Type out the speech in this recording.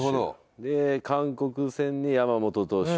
で韓国戦に山本投手。